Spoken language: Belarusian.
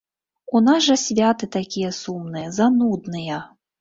У нас жа святы такія сумныя, занудныя.